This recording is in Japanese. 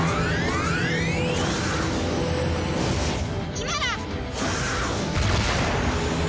今だ！